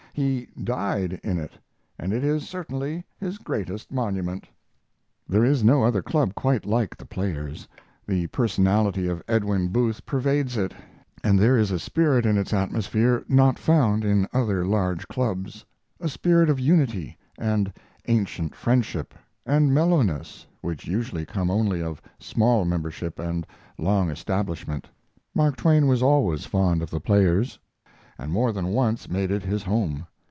He died in it. And it is certainly his greatest monument. There is no other club quite like The Players. The personality of Edwin Booth pervades it, and there is a spirit in its atmosphere not found in other large clubs a spirit of unity, and ancient friendship, and mellowness which usually come only of small membership and long establishment. Mark Twain was always fond of The Players, and more than once made it his home.